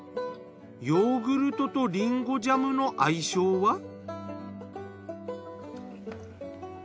ヨーグルトとリンゴジャムの相性は？